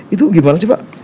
itu gimana sih pak